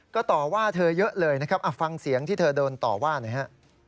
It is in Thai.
ก็ต่อว่าเธอเยอะเลยนะครับฟังเสียงที่เธอโดนต่อว่าหน่อยฮะ